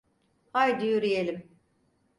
Haydi yürüyelim…